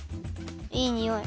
いいにおい。